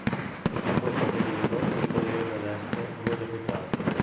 In questo periodo il collegio elesse due deputati.